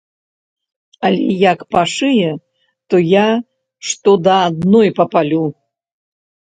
Але як пашые, то я што да адной папалю!